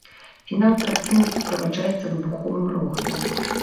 Фінал карціны суправаджаецца выбуховым рогатам.